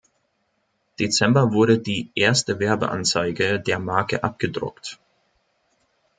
Dezember wurde die erste Werbeanzeige der Marke abgedruckt.